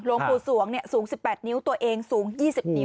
หลวงปู่สวงสูง๑๘นิ้วตัวเองสูง๒๐นิ้ว